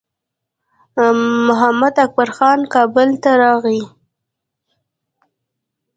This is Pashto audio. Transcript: محمداکبر خان کابل ته راغی.